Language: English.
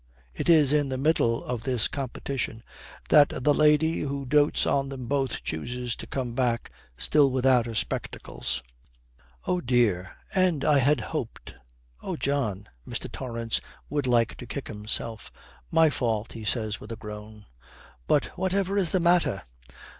It is in the middle of this competition that the lady who dotes on them both chooses to come back, still without her spectacles. 'Oh dear! And I had hoped Oh, John!' Mr. Torrance would like to kick himself. 'My fault,' he says with a groan. 'But whatever is the matter?'